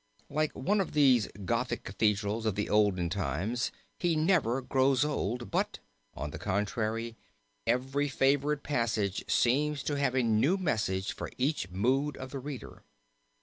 Like one of these Gothic cathedrals of the olden times he never grows old, but, on the contrary, every favorite passage seems to have a new message for each mood of the reader.